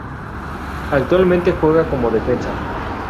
Actualmente juega como defensa.